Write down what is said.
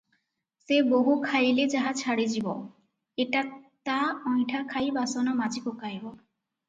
ସେ ବୋହୂ ଖାଇଲେ ଯାହା ଛାଡ଼ି ଯିବ, ଏଟା ତା ଅଇଁଠା ଖାଇ ବାସନ ମାଜି ପକାଇବ ।